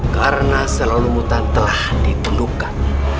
karena selalu mutan telah ditundukkan